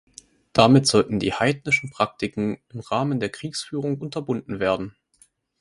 Damit sollten die „heidnischen Praktiken“ im Rahmen der Kriegsführung unterbunden werden.